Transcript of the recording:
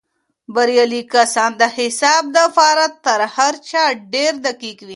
بريالي کسان د حساب دپاره تر هر چا ډېر دقیق وي.